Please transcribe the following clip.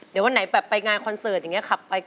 เดี๋ยววันไหนแบบไปงานคอนเสิร์ตอย่างนี้ขับไป